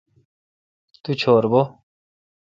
تو چور بھو۔